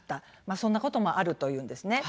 そんなこともあるというんですね。